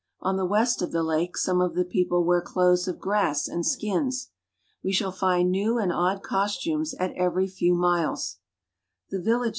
On the west of the lake some of the people wear clothes of grass and skins. We shall find new and odd costumes at every few miles. orld are much alike.